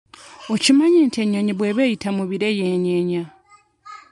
Okimanyi nti ennyonyi bw'eba eyita mu bire yeenyeenya?